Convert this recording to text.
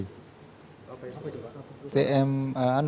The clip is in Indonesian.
apa itu pak